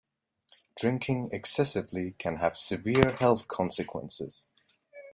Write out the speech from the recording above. Drinking excessively can have severe health consequences.